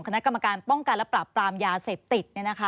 คณะกรรมการป้องกันและปราบปรามยาเสพติด